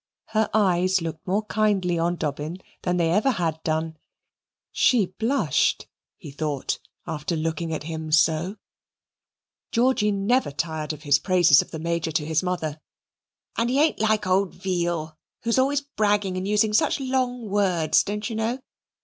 Her eyes looked more kindly on Dobbin than they ever had done. She blushed, he thought, after looking at him so. Georgy never tired of his praises of the Major to his mother. "I like him, Mamma, because he knows such lots of things; and he ain't like old Veal, who is always bragging and using such long words, don't you know?